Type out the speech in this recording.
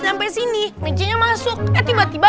sampai sini nardi nya masuk eh tiba tiba